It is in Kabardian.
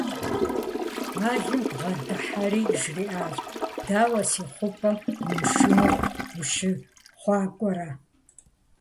Мэлым бгъэдыхьэри жриӀащ: -Дауэ си хъупӀэм умышынэу ущыхъуакӀуэрэ?